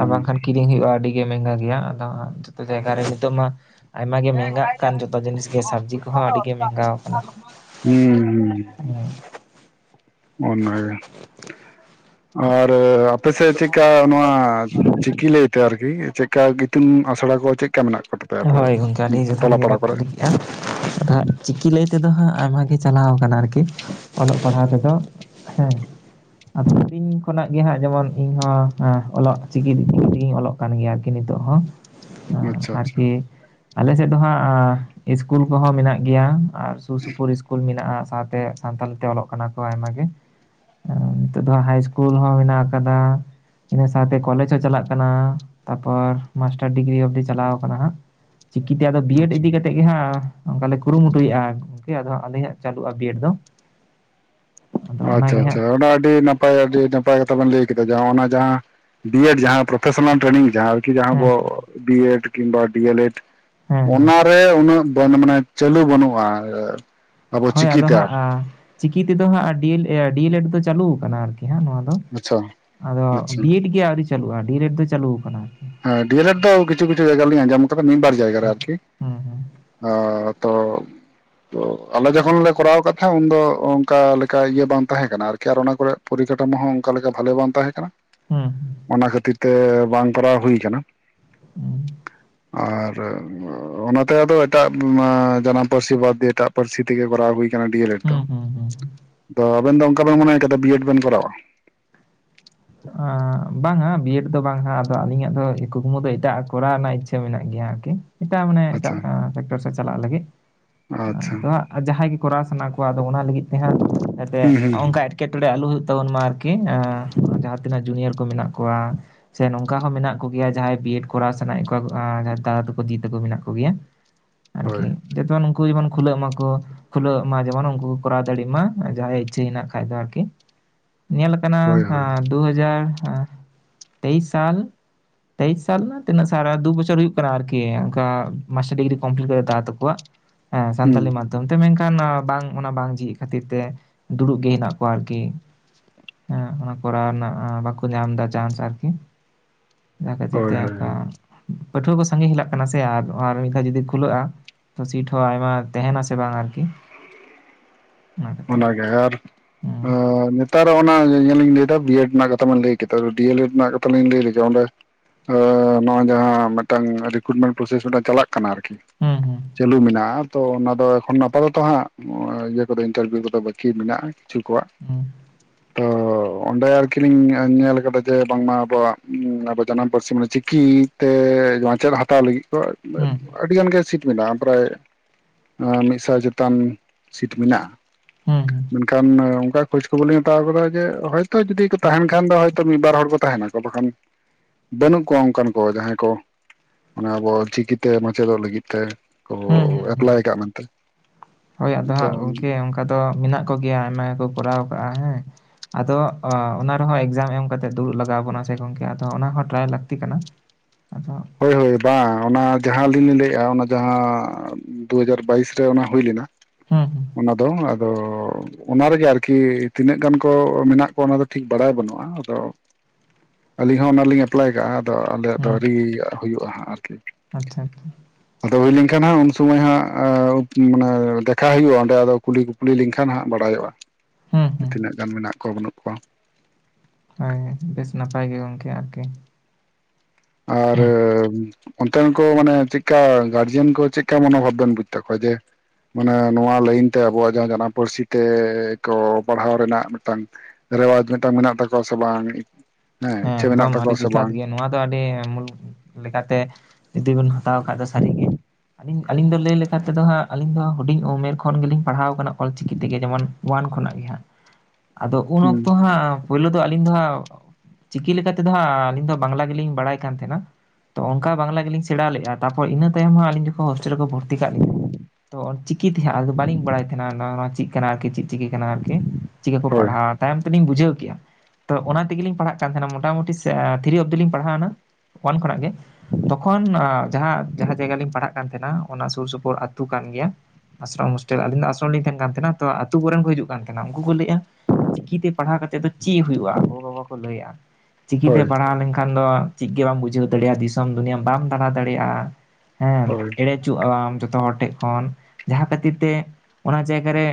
ᱟᱨ ᱵᱟᱝᱠᱷᱟᱱ ᱠᱤᱨᱤᱧ ᱦᱩᱭᱩᱜᱼᱟ ᱟᱹᱰᱤᱜᱮ ᱢᱮᱝᱜᱟ ᱜᱮᱭᱟ ᱟᱫᱚ ᱡᱚᱛᱚ ᱡᱟᱭᱜᱟ ᱨᱮ ᱱᱤᱛᱚᱜ ᱢᱟ ᱟᱭᱢᱟ ᱜᱮ ᱢᱮᱦᱮᱝᱜᱟ ᱠᱟᱱ ᱡᱚᱛᱚ ᱡᱤᱱᱤᱥ ᱜᱮ ᱥᱚᱵᱽᱡᱤ ᱠᱚᱦᱚᱸ ᱟᱹᱰᱤ ᱜᱮ ᱢᱮᱝᱜᱟᱣ ᱠᱟᱱᱟ ᱦᱩᱸ ᱦᱩᱸ ᱦᱮᱸ ᱚᱱᱟᱜᱮ ᱟᱨ ᱟᱯᱮ ᱥᱮᱫ ᱪᱮᱫ ᱞᱮᱠᱟ ᱱᱚᱣᱟ ᱪᱤᱠᱤ ᱞᱟᱹᱭ ᱛᱮ ᱟᱨᱠᱤ ᱪᱮᱠᱟ ᱤᱛᱩᱱ ᱟᱥᱲᱟ ᱠᱚ ᱪᱮᱠᱟ ᱢᱮᱱᱟᱜ ᱠᱟ ᱦᱳᱭ ᱜᱚᱢᱴᱝᱠᱮ ᱟᱹᱰᱤ ᱡᱚᱛᱷᱟᱛ ᱜᱮ ᱵᱮᱱ ᱠᱩᱞᱤ ᱠᱮᱭᱚᱜᱼᱟ ᱟᱫᱷᱚ ᱦᱟᱸᱜ ᱪᱤᱠᱤ ᱞᱟᱹᱭ ᱛᱮᱫᱚ ᱦᱟᱸᱜ ᱟᱭᱢᱟ ᱜᱮ ᱪᱟᱞᱟᱣ ᱠᱟᱱᱟ ᱟᱨᱠᱤ ᱚᱞᱚᱜ ᱯᱟᱲᱦᱟᱣ ᱛᱮᱫᱚ ᱦᱮᱸ ᱟᱹᱰᱤ ᱫᱤᱱ ᱠᱷᱚᱱᱟᱜ ᱜᱮ ᱦᱟᱸᱜ ᱡᱮᱢᱚᱱ ᱤᱧ ᱦᱚᱸ ᱚᱞᱚᱜ ᱪᱤᱠᱤ ᱛᱮᱜᱮᱧ ᱚᱞᱚᱜ ᱠᱟᱱ ᱜᱮᱭᱟ ᱟᱨᱠᱤ ᱱᱤᱛᱚᱜ ᱦᱚᱸ ᱟᱪᱪᱷᱟ ᱟᱪᱪᱷᱟ ᱟᱨᱠᱤ ᱟᱞᱮ ᱥᱮᱫ ᱫᱚ ᱦᱟᱸᱜ ᱤᱥᱠᱩᱞ ᱠᱚᱦᱚᱸ ᱢᱮᱱᱟᱜ ᱜᱮᱭᱟ ᱟᱨ ᱥᱩᱨ ᱥᱩᱯᱩᱨ ᱤᱥᱠᱩᱞ ᱢᱮᱱᱟᱜᱼᱟ ᱥᱟᱶᱛᱮ ᱥᱟᱱᱛᱟᱞᱤ ᱛᱮ ᱚᱞᱚᱜ ᱠᱟᱱᱟ ᱠᱚ ᱟᱭᱢᱟ ᱜᱮ ᱱᱤᱛᱚᱜ ᱫᱚ ᱦᱟᱭ ᱤᱥᱠᱩᱞ ᱦᱚᱸ ᱢᱮᱱᱟᱜ ᱟᱠᱟᱫᱟ ᱤᱱᱟᱹ ᱥᱟᱶᱛᱮ ᱠᱚᱞᱮᱡᱽ ᱦᱚᱸ ᱪᱟᱞᱟᱜ ᱠᱟᱱᱟ ᱛᱟᱯᱚᱨ ᱢᱟᱥᱴᱟᱨ ᱰᱤᱜᱽᱨᱤ ᱚᱵᱫᱤ ᱪᱟᱞᱟᱣ- ᱪᱤᱠᱤᱛᱮ ᱟᱫᱚ ᱵᱤᱭᱮᱰ ᱟᱪᱪᱷᱟ ᱤᱫᱤ ᱠᱟᱛᱮ ᱤᱭᱚ ᱦᱟᱸᱜ ᱚᱱᱠᱟ ᱞᱮ ᱠᱩᱨᱩᱢᱩᱴᱩᱭᱼᱟ ᱜᱚᱝᱠᱮ ᱟᱫᱚ ᱟᱞᱮ ᱦᱟᱸᱜ ᱪᱟᱹᱞᱩᱜᱼᱟ ᱵᱤᱭᱮᱰ ᱫᱚ ᱟᱫᱚ ᱚ ᱟᱪᱪᱷᱟ ᱚᱱᱟᱜᱮ ᱟᱪᱪᱷᱟ ᱦᱟᱸᱜ ᱚᱱᱟ ᱟᱹᱰᱤ ᱱᱟᱯᱟᱭ ᱦᱟᱭ ᱟᱹᱰᱤ ᱱᱟᱯᱟᱭ ᱠᱟᱛᱷᱟ ᱵᱮᱱ ᱞᱟᱹᱭ ᱠᱮᱫᱟ ᱚᱱᱟ ᱡᱟᱦᱟᱸ ᱵᱤᱭ ᱮᱰ ᱡᱟᱦᱟᱸ ᱯᱨᱚᱯᱷᱮᱥᱚᱱᱟᱞ ᱴᱨᱮᱱᱰᱤᱧ ᱡᱟᱦᱟᱸ ᱠᱤ ᱡᱟᱦᱟᱸ ᱫᱚ ᱦᱮᱸ ᱵᱤᱭ ᱮᱰ ᱠᱤᱱᱵᱟ ᱰᱤᱭᱮ ᱞᱮᱰ ᱦᱮᱸ ᱦᱮᱸ ᱚᱱᱟ ᱛᱮ ᱩᱱᱟᱹᱜ ᱢᱟᱱᱮ ᱪᱟᱹᱞᱩ ᱵᱟᱹᱱᱩᱜᱼᱟ ᱟᱵᱚ ᱦᱳᱭ ᱟᱫᱚ ᱪᱤᱠᱤᱛᱮ ᱟᱨ ᱦᱟᱸᱜ ᱪᱤᱠᱤ ᱛᱮᱫᱚ ᱦᱟᱸᱜ ᱰᱤᱭᱮ ᱞᱮᱰ ᱫᱚ ᱪᱟᱹᱞᱩ ᱟᱠᱟᱱᱟ ᱟᱨᱠᱤ ᱦᱟᱸᱜ ᱱᱚᱣᱟ ᱫᱚ ᱟᱪᱪᱷᱟ ᱟᱫᱚ ᱟᱪᱪᱷᱟ ᱵᱤᱭ ᱮᱰ ᱜᱮ ᱟᱹᱣᱨᱤ ᱪᱟᱹᱞᱩᱜᱼᱟ ᱰᱤ ᱮᱰ ᱫᱚ ᱪᱟᱹᱞᱩᱣᱟᱠᱟᱱᱟ ᱦᱮᱸ ᱰᱤᱭᱮ ᱞᱮᱰ ᱫᱚ ᱠᱤᱪᱷᱩ ᱠᱤᱪᱷᱩ ᱡᱟᱭᱜᱟ ᱨᱮ ᱤᱧ ᱟᱸᱡᱚᱢ ᱟᱠᱟᱫᱟ ᱢᱤᱫ ᱵᱟᱨ ᱡᱟᱭᱜᱟ ᱨᱮ ᱦᱩᱸ ᱟᱨᱠᱤ ᱦᱩᱸ ᱦᱩᱸ ᱦᱟᱸᱜ ᱛᱚ ᱛᱚ ᱟᱞᱮ ᱡᱚᱠᱷᱚᱱᱞ ᱞᱮ ᱠᱚᱨᱟᱣ ᱠᱟᱫ ᱛᱟᱦᱮᱸᱫ ᱩᱱᱫᱚ ᱚᱱᱠᱟ ᱞᱮᱠᱟ ᱤᱭᱟᱹ ᱵᱟᱝ ᱛᱟᱦᱮᱸ ᱠᱟᱱᱟ ᱟᱨᱠᱤ ᱟᱨ ᱚᱱᱟ ᱠᱚᱨᱮ ᱯᱚᱨᱤᱠᱷᱟ ᱴᱟᱭᱤᱢ ᱦᱚᱸ ᱚᱱᱠᱟ ᱞᱮᱠᱟ ᱵᱷᱟᱞᱮ ᱵᱟᱝ ᱛᱟᱦᱮᱸ ᱠᱟᱱᱟ ᱦᱩᱸ ᱦᱩᱸ ᱚᱱᱟ ᱠᱷᱟᱹᱛᱤᱨ ᱛᱮ ᱵᱟᱝ ᱠᱚᱨᱟᱣ ᱦᱩᱭ ᱠᱟᱱᱟ᱾ ᱦᱮᱸ ᱟᱨ ᱚᱱᱟᱛᱮ ᱟᱫᱚ ᱮᱴᱟᱜ ᱡᱟᱱᱟᱢ ᱯᱟᱹᱨᱥᱤ ᱵᱟᱫ ᱫᱤᱭᱮ ᱮᱴᱟᱜ ᱯᱟᱹᱨᱥᱤ ᱛᱮᱜᱮ ᱠᱚᱨᱟᱣ ᱦᱩᱭ ᱟᱠᱟᱱᱟ᱾ ᱰᱤᱭᱮᱞᱮᱴ ᱦᱩᱸ ᱦᱩᱸ ᱦᱩᱸ ᱦᱩᱸ ᱫᱚ ᱟᱵᱮᱱ ᱫᱚ ᱚᱱᱠᱟ ᱵᱮᱱ ᱢᱚᱱᱮᱭ ᱟᱠᱟᱫᱟ ᱵᱤ ᱮᱰ ᱵᱮᱱ ᱠᱚᱨᱟᱣᱟ ᱵᱟᱝᱟ ᱵᱤᱭᱮᱰ ᱫᱚ ᱵᱟᱝᱼᱟ ᱟᱫᱚ ᱟᱹᱞᱤᱧᱟᱜ ᱫᱚ ᱠᱩᱠᱢᱩ ᱫᱚ ᱮᱴᱟᱜ ᱠᱚᱨᱟᱣ ᱨᱮᱱᱟᱜ ᱤᱪᱪᱷᱟᱹ ᱢᱮᱱᱟᱜ ᱜᱮᱭᱟ ᱟᱨᱠᱤ ᱮᱴᱟᱜ ᱢᱟᱱᱮ ᱮᱴᱟᱜ ᱟᱪᱪᱷᱟ ᱯᱷᱮᱠᱴᱚᱨ ᱥᱮᱫ ᱪᱟᱞᱟᱜ ᱞᱟᱹᱜᱤᱫ ᱟᱪᱪᱷᱟ ᱟᱫᱚ ᱦᱟᱸᱜ- ᱡᱟᱦᱟᱸᱭ ᱜᱮ ᱠᱚᱨᱟᱣ ᱥᱟᱱᱟ ᱠᱚᱣᱟ ᱟᱫᱚ ᱚᱱᱟ ᱞᱟᱹᱜᱤᱫ ᱛᱮ ᱦᱟᱸᱜ ᱡᱟᱛᱮ ᱦᱩᱸ ᱦᱩᱸ ᱚᱱᱠᱟ ᱮᱴ- -ᱠᱮ ᱴᱠᱮᱴᱚᱬᱮ ᱟᱞᱚ ᱦᱩᱭᱩᱜ ᱛᱟᱵᱚᱱ ᱢᱟ ᱟᱨᱠᱤ ᱡᱟᱦᱟᱸ ᱛᱤᱱᱟᱹᱜ ᱡᱩᱱᱤᱭᱟᱨ ᱠᱚ ᱢᱮᱱᱟᱜ ᱠᱚᱣᱟ- ᱥᱮ ᱱᱚᱝᱠᱟ ᱦᱚᱸ ᱢᱮᱱᱟᱜ ᱠᱚᱜᱮᱭᱟ ᱡᱟᱦᱟᱸᱭ ᱵᱤᱭᱮᱰ ᱠᱚᱨᱟᱣ ᱥᱟᱱᱟᱭᱮᱫ ᱠᱚᱣᱟ ᱫᱟᱫᱟ ᱛᱟᱠᱚ ᱫᱤ ᱛᱟᱠᱚ ᱢᱮᱱᱟᱜ ᱠᱚᱜᱮᱭᱟ ᱦᱳᱭ ᱟᱨᱠᱤ ᱡᱚᱛᱚ ᱩᱱᱠᱩ ᱡᱮᱢᱚᱱ ᱠᱷᱩᱞᱟᱹᱜ ᱢᱟᱠᱚ ᱠᱷᱩᱞᱟᱹᱜ ᱢᱟ ᱡᱮᱢᱚᱱ ᱩᱱᱠᱩ ᱠᱚ ᱠᱚᱨᱟᱣ ᱫᱟᱲᱮᱭᱟᱜ ᱢᱟ ᱡᱟᱦᱟᱸᱭᱟᱜ ᱤᱪᱷᱟᱹ ᱦᱮᱱᱟᱜ ᱠᱷᱟ ᱫᱚ ᱟᱨᱠᱤ ᱧᱮᱞ ᱠᱟᱱᱟ ᱦᱳᱭ ᱦᱳᱭ ᱦᱮᱸ ᱫᱩ ᱦᱟᱡᱟᱨ ᱛᱮᱭᱤᱥ ᱥᱟᱞ ᱛᱮᱭᱤᱥ ᱥᱟᱞ ᱨᱮᱱᱟᱜ ᱛᱤᱱᱟᱹᱜ ᱥᱟᱨᱟ ᱫᱩ ᱵᱚᱪᱷᱚᱨ ᱦᱩᱭᱩᱜ ᱠᱟᱱᱟ ᱟᱨᱠᱤ ᱚᱱᱠᱟ ᱢᱟᱥᱴᱟᱨ ᱰᱤᱜᱽᱨᱤ ᱠᱚᱢᱯᱞᱤᱴ ᱠᱟᱛᱮ ᱫᱟᱫᱟ ᱛᱟᱠᱚᱣᱟ᱾ ᱦᱮᱸ ᱦᱩᱸ ᱥᱟᱱᱛᱟᱞᱤ ᱢᱟᱫ- ᱫᱚᱢ ᱛᱮ ᱢᱮᱱᱠᱷᱟᱱ ᱵᱟᱝ ᱚᱱᱟ ᱵᱟᱝ ᱡᱷᱤᱡ ᱠᱷᱟᱹᱛᱤᱨ ᱛᱮ ᱫᱩᱲᱩᱵ ᱜᱮ ᱦᱮᱱᱟᱜ ᱠᱚᱣᱟ ᱟᱨᱠᱤ ᱦᱮᱸ ᱚᱱᱟ ᱠᱚᱨᱟᱣ ᱨᱮᱱᱟᱜ ᱵᱟᱠᱚ ᱧᱟᱢ ᱮᱫᱟ ᱪᱟᱱᱥ ᱟᱨᱠᱤ ᱚᱱᱟ ᱠᱷᱟᱹᱛᱤᱨ ᱦᱳᱭ ᱛᱮ ᱦᱳᱭ ᱚᱱᱠᱟ- -ᱯᱟᱹᱴᱷᱩᱣᱟᱹ ᱠᱚ ᱥᱟᱸᱜᱮ ᱦᱮᱞᱟᱜ ᱠᱟᱱᱟ ᱥᱮ ᱟᱨ ᱟᱨ ᱢᱤᱫ ᱫᱷᱟᱣ ᱡᱩᱫᱤ ᱠᱷᱩᱞᱟᱹᱜᱼᱟ- -ᱛᱚ ᱥᱤᱴ ᱦᱚᱸ ᱟᱭᱢᱟ ᱛᱟᱦᱮᱱᱟᱥᱮ ᱵᱟᱝ ᱟᱨᱠᱤ ᱚᱱᱟᱜᱮ ᱟᱨ ᱦᱮᱸ ᱱᱮᱛᱟᱨ ᱚᱱᱟ ᱧᱮᱞᱤᱧ ᱞᱟᱹᱭ ᱫᱟ ᱵᱤ ᱮᱰ ᱨᱮᱱᱟᱜ ᱠᱟᱛᱷᱟ ᱵᱤᱱ ᱞᱟᱹᱭ ᱠᱮᱫᱟ ᱰᱤ ᱮᱞ ᱮᱰ ᱨᱮᱱᱟᱜ ᱠᱟᱛᱷᱟ ᱞᱤᱧ ᱞᱟᱹᱭ ᱞᱮᱜᱮ ᱚᱸᱰᱮ- -ᱱᱚᱜᱚᱭ ᱡᱟᱦᱟᱸ ᱢᱤᱫᱴᱟᱝ ᱨᱤᱠᱨᱩᱴᱢᱮᱱᱴ ᱯᱨᱚᱥᱮᱥ ᱢᱤᱫᱴᱟᱝ ᱪᱟᱞᱟᱜ- -ᱠᱟᱱᱟ ᱟᱨᱠᱤ ᱦᱩᱸ ᱦᱩᱸ ᱪᱟᱹᱞᱩ ᱢᱮᱱᱟᱜᱼᱟ ᱛᱚ ᱚᱱᱟ ᱫᱚ ᱚᱠᱷᱟᱱ ᱟᱯᱟᱛᱚᱛᱚ- -ᱡᱚᱛᱚ ᱦᱟᱸᱜ ᱤᱭᱟᱹ ᱠᱚᱫᱚ ᱤᱱᱴᱟᱨᱵᱷᱤᱭᱩ ᱠᱚᱫᱚ ᱵᱟᱹᱠᱤ ᱢᱮᱱᱟᱜᱼᱟ ᱠᱤᱪᱷᱩ ᱠᱚᱣᱟᱜ᱾ ᱦᱩᱸ ᱛᱚ ᱚᱸᱰᱮ ᱟᱨᱠᱤ ᱞᱤᱧ ᱧᱮᱞ ᱟᱠᱟᱫᱟ ᱡᱮ ᱵᱟᱝᱢᱟ ᱟᱵᱚᱣᱟᱜ ᱟ ᱡᱟᱱᱟᱢ ᱯᱟᱹᱨᱥᱤ ᱢᱟᱱᱮ ᱪᱤᱠᱤ- -ᱛᱮ ᱢᱟᱪᱮᱫ ᱦᱟᱛᱟᱣ ᱞᱟᱹᱜᱤᱫ ᱠᱚ- ᱦᱩᱸ -ᱟᱹᱰᱤ ᱜᱟᱱ ᱜᱮ ᱥᱤᱴ ᱢᱮᱱᱟᱜᱼᱟ ᱯᱨᱟᱭ ᱢᱤᱫᱥᱟᱭ- ᱪᱮᱛᱟᱱ ᱥᱤᱴ ᱢᱮᱱᱟᱜᱼᱟ᱾ ᱦᱩᱸ ᱦᱩᱸ ᱢᱮᱱᱠᱷᱟᱱ ᱚᱱᱠᱟ ᱠᱷᱳᱡᱽ ᱠᱷᱚᱵᱚᱨ ᱞᱤᱧ ᱦᱟᱛᱟᱣ ᱟᱠᱟᱫᱟ ᱡᱮ- -ᱡᱩᱫᱤ ᱠᱚ ᱛᱟᱦᱮᱱ ᱠᱷᱟᱱ ᱫᱚ ᱦᱚᱭᱛᱚ ᱢᱤᱫ ᱵᱟᱨ ᱦᱚᱲ ᱠᱚ ᱛᱟᱦᱮᱱᱟᱠᱚ ᱵᱟᱠᱷᱟᱱ- -ᱵᱟᱹᱱᱩᱜ ᱠᱚᱣᱟ ᱚᱱᱠᱟᱱ ᱠᱚ ᱡᱟᱦᱟᱸᱭ ᱠᱚ ᱢᱟᱱᱮ ᱟᱵᱚ ᱪᱤᱠᱤᱛᱮ ᱢᱟᱪᱮᱫᱚᱜ ᱞᱟᱹᱜᱤᱫ ᱛᱮ- -ᱠᱚ ᱦᱩᱸ ᱦᱩᱸ ᱦᱩᱸ ᱮᱯᱞᱟᱭ ᱟᱠᱟᱫᱼᱟ ᱢᱮᱱᱛᱮ ᱦᱳᱭ ᱟᱫᱚ ᱛᱚ ᱦᱟᱸᱜ ᱜᱚᱢᱠᱮ ᱚᱱᱠᱟ ᱫᱚ ᱢᱮᱱᱟᱜ ᱠᱚᱜᱮᱭᱟ ᱟᱭᱢᱟ ᱜᱮᱠᱚ ᱠᱚᱨᱟᱣ ᱠᱟᱜᱼᱟ ᱦᱮᱸ ᱟᱫᱚ ᱚᱱᱟ ᱨᱮᱦᱚᱸ ᱮᱠᱡᱟᱢ ᱮᱢ ᱠᱟᱛᱮᱜ ᱫᱩᱲᱩᱵ ᱞᱟᱜᱟᱣ ᱵᱚᱱᱟ ᱥᱮ ᱜᱚᱝᱠᱮ ᱟᱫᱚ ᱚᱱᱟ ᱦᱚᱸ ᱴᱨᱟᱭ ᱞᱟᱹᱠᱛᱤ ᱠᱟᱱᱟ᱾ ᱟᱫᱚ ᱦᱳᱭ ᱦᱳᱭ ᱵᱟᱝ ᱚᱱᱟ ᱡᱟᱦᱟᱸ ᱟᱹᱞᱤᱧ ᱞᱤᱧ ᱞᱟᱹᱭᱮᱫᱼᱟ ᱚᱱᱟ ᱡᱟᱦᱟᱸ ᱫᱩ ᱦᱟᱡᱟᱨ ᱵᱟᱭᱤᱥ ᱨᱮ ᱚᱱᱟ ᱦᱩᱭ ᱞᱮᱱᱟ ᱦᱩᱸ ᱦᱩᱸ ᱚᱱᱟ ᱫᱚ ᱟᱫᱚ ᱚᱱᱟ ᱨᱮᱜᱮ ᱟᱨᱠᱤ ᱛᱤᱱᱟᱹᱜ ᱜᱟᱱ ᱠᱚ ᱢᱮᱱᱟᱜ ᱠᱚᱣᱟ ᱚᱱᱟ ᱫᱚ ᱴᱷᱤᱠ ᱵᱟᱲᱟᱭ ᱵᱟᱹᱱᱩᱜᱼᱟ ᱟᱫᱚ- -ᱟᱹᱞᱤᱧ ᱦᱚᱸ ᱚᱱᱟᱞᱤᱧ ᱮᱯᱞᱟᱭ ᱠᱟᱜᱼᱟ ᱟᱫᱚ ᱟᱞᱮᱭᱟᱜ ᱫᱚ ᱦᱩᱸ ᱨᱤ ᱦᱩᱭᱩᱜᱼᱟ ᱦᱟᱸᱜ ᱟᱨᱠᱤ᱾ ᱟᱪᱪᱷᱟ ᱟᱪᱪᱷᱟ ᱟᱫᱚ ᱦᱩᱭ ᱞᱮᱱᱠᱷᱟᱱ ᱦᱟᱸᱜ ᱩᱱ ᱥᱚᱢᱚᱭ ᱦᱟᱸᱜ ᱢᱟᱱᱮ ᱫᱮᱠᱷᱟ ᱦᱩᱭᱩᱜᱼᱟ ᱚᱸᱰᱮ ᱟᱫᱚ ᱠᱩᱞᱤ ᱠᱩᱯᱞᱤ ᱞᱮᱱᱠᱷᱟᱱ ᱦᱟᱸᱜ ᱵᱟᱲᱟᱭᱚᱜᱼᱟ ᱦᱩᱸ ᱦᱩᱸ ᱛᱤᱱᱟᱹᱜ ᱜᱟᱱ ᱢᱮᱱᱟᱜ ᱠᱚᱣᱟ ᱵᱟᱹᱱᱩᱜ ᱠᱚᱣᱟ ᱦᱳᱭ ᱵᱮᱥ ᱱᱟᱯᱟᱭ ᱜᱮ ᱜᱚᱢᱠᱮ ᱟᱨᱠᱤ ᱟᱨ ᱦᱮᱸ ᱚᱱᱛᱮᱱ ᱠᱚ ᱢᱟᱱᱮ ᱪᱮᱠᱟ ᱜᱟᱨᱡᱮᱱ ᱠᱚ ᱪᱮᱠᱟ ᱢᱚᱱᱳᱵᱷᱟᱵ ᱵᱮᱱ ᱵᱩᱡ ᱛᱟᱠᱚᱣᱟ ᱡᱮ- -ᱢᱟᱱᱮ ᱱᱚᱣᱟ ᱞᱟᱹᱭᱤᱱ ᱛᱮ ᱟᱵᱚᱣᱟᱜ ᱡᱟᱦᱟᱸ ᱡᱟᱱᱟᱢ ᱯᱟᱹᱨᱥᱤ ᱛᱮᱠᱚ ᱯᱟᱲᱦᱟᱣ ᱨᱮᱱᱟᱜ ᱢᱤᱫᱴᱟᱝ- ᱨᱮᱣᱟᱡᱽ ᱢᱤᱫᱴᱟᱝ ᱢᱮᱱᱟᱜ ᱛᱟᱠᱚᱣᱟ ᱥᱮ ᱵᱟᱝ? ᱦᱮᱸ ᱤᱪᱪᱷᱟᱹ ᱢᱮᱱᱟᱜ ᱮᱠᱫᱚᱢ ᱟᱹᱰᱤ ᱛᱟᱠᱚᱣᱟ ᱥᱮ ᱡᱚᱛᱷᱟᱛ ᱵᱟᱝ ᱜᱮ ᱱᱚᱣᱟ ᱫᱚ ᱟᱹᱰᱤ ᱢᱩᱞ ᱞᱮᱠᱟᱛᱮ ᱡᱩᱫᱤ ᱵᱤᱱ ᱦᱟᱛᱟᱣ ᱠᱷᱟᱡ ᱫᱚ ᱥᱟᱹᱨᱤ ᱜᱮ, ᱟᱹᱞᱤᱧ ᱟᱹᱞᱤᱧ ᱫᱚ ᱞᱟᱹᱭ ᱞᱮᱠᱷᱟᱱ ᱛᱮᱫᱚ ᱦᱟᱸᱜ ᱟᱹᱞᱤᱧ ᱫᱚ ᱦᱩᱰᱤᱧ ᱩᱢᱮᱨ ᱠᱷᱚᱱ ᱜᱮᱞᱤᱧ ᱯᱟᱲᱦᱟᱣ ᱟᱠᱟᱱᱟ ᱚᱞᱪᱤᱠᱤ ᱛᱮᱜᱮ ᱡᱮᱢᱚᱱ ᱳᱣᱟᱱ ᱠᱷᱚᱱᱟᱜ ᱜᱮ ᱦᱟᱸᱜ ᱟᱫᱚ ᱩᱱ ᱦᱩᱸ ᱚᱠᱛᱚ ᱦᱟᱸᱜ ᱯᱳᱭᱞᱳ ᱫᱚ ᱟᱹᱞᱤᱧ ᱫᱚ ᱦᱟᱸᱜ ᱪᱤᱠᱤ ᱞᱮᱠᱟᱛᱮ ᱫᱚ ᱦᱟᱸᱜ ᱟᱹᱞᱤᱧ ᱫᱚ ᱵᱟᱝᱞᱟ ᱜᱮᱞᱤᱧ ᱵᱟᱲᱟᱭ ᱠᱟᱱ ᱛᱟᱦᱮᱸᱱᱟ᱾ ᱛᱚ ᱚᱱᱠᱟ ᱵᱟᱝᱞᱟ ᱜᱮᱞᱤᱧ ᱥᱮᱬᱟ ᱞᱮᱫᱼᱟ ᱛᱟᱨᱯᱚᱨ ᱤᱱᱟᱹ ᱛᱟᱭᱚᱢ ᱦᱚᱸ ᱟᱹᱞᱤᱧ ᱡᱚᱠᱷᱚᱱ ᱦᱳᱥᱴᱮᱞ ᱨᱮᱠᱚ ᱵᱷᱚᱨᱛᱤ ᱠᱟᱜ ᱞᱤᱧᱟ᱾ ᱛᱚ ᱚᱞᱪᱤᱠᱤ ᱛᱮᱦᱟᱸᱜ ᱵᱟᱹᱞᱤᱧ ᱵᱟᱲᱟᱭ ᱛᱟᱦᱮᱸᱱᱟ ᱚᱱᱟ ᱪᱮᱫ ᱠᱟᱱᱟ ᱟᱨᱠᱤ ᱪᱮᱫ ᱪᱤᱠᱤ ᱠᱟᱱᱟ ᱟᱨᱠᱤ᱾ ᱪᱤᱠᱟᱹ ᱠᱚ ᱦᱳᱭ ᱯᱟᱲᱦᱟᱣ-ᱟ ᱛᱟᱭᱚᱢ ᱛᱮᱞᱤᱧ ᱵᱩᱡᱷᱟᱹᱣ ᱠᱮᱜᱼᱟ, ᱛᱚ ᱚᱱᱟ ᱛᱮᱜᱮᱞᱤᱧ ᱯᱟᱲᱦᱟᱜ ᱠᱟᱱ ᱛᱟᱦᱮᱱᱟ ᱢᱚᱴᱟᱢᱩᱴᱤ (inaudible) ᱛᱷᱨᱤ ᱚᱯᱷ ᱫᱤ ᱞᱤᱧ ᱯᱟᱲᱦᱟᱣᱱᱟ ᱚᱣᱟᱱ ᱠᱷᱚᱱᱟᱜ ᱜᱮ ᱾ ᱛᱚᱠᱷᱚᱱ ᱡᱟᱦᱟᱸ ᱡᱟᱦᱟᱸ ᱡᱟᱭᱜᱟ ᱨᱮ ᱞᱤᱧ ᱯᱟᱲᱦᱟᱜ ᱠᱟᱱ ᱛᱟᱦᱮᱱᱟ ᱚᱱᱟ ᱥᱩᱨ ᱥᱩᱯᱩᱨ ᱟᱹᱛᱩ ᱠᱟᱱ ᱜᱮᱭᱟ᱾ ᱟᱥᱨᱚᱢ ᱦᱳᱥᱴᱮᱞ ᱟᱞᱤᱧ ᱟᱥᱨᱚᱢ ᱞᱤᱧ ᱛᱟᱦᱮᱱ ᱠᱟᱱ ᱛᱟᱦᱮᱱᱟ ᱛᱚ ᱟᱛᱳ ᱠᱚᱨᱮᱱ ᱠᱚ ᱦᱤᱡᱩᱜ ᱠᱟᱱ ᱛᱟᱦᱮᱱᱟ ᱩᱱᱠᱩ ᱠᱚ ᱞᱟᱹᱭᱮᱫᱼᱟ- ᱪᱤᱠᱤᱛᱮ ᱯᱟᱲᱦᱟᱣ ᱠᱟᱛᱮᱫ ᱫᱚ ᱪᱮᱫ ᱦᱩᱭᱩᱜᱼᱟ? ᱜᱚ ᱠᱚ ᱞᱟᱹᱭᱟ ᱪᱤᱠᱤᱛᱮ ᱦᱳᱭ ᱯᱟᱲᱦᱟᱣ ᱞᱮᱱᱠᱷᱟᱱ ᱫᱚ, ᱪᱮᱫ ᱜᱮ ᱵᱟᱢ ᱵᱩᱡᱷᱟᱹᱣ ᱫᱟᱲᱮᱭᱟᱜᱼᱟ᱾ ᱫᱤᱥᱚᱢ ᱫᱩᱱᱤᱭᱟᱹ ᱵᱟᱢ ᱫᱟᱬᱟ ᱫᱟᱲᱮᱭᱟᱜᱼᱟ᱾ ᱦᱮᱸ ᱦᱳᱭ ᱮᱲᱮ ᱪᱩᱜ ᱟᱢ ᱡᱚᱛᱚ ᱦᱚᱲ ᱴᱷᱮᱡ ᱠᱷᱚᱱ ᱡᱟᱦᱟᱸ ᱠᱷᱟᱹᱛᱤᱨ ᱛᱮ ᱚᱱᱟ ᱡᱟᱭᱜᱟ ᱨᱮ